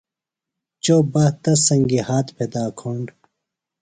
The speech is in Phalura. چوۡ بہ تس سنگیۡ ہات پھدا کُھنڈ